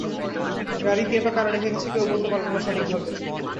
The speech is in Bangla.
গাড়ি কে বা কারা রেখে গেছে কেউ বলতে পারল না সঠিকভাবে।